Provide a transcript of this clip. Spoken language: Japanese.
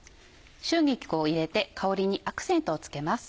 春菊を入れて香りにアクセントをつけます。